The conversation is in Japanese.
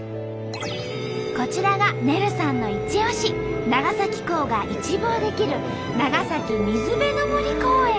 こちらがねるさんのイチオシ長崎港が一望できる長崎水辺の森公園。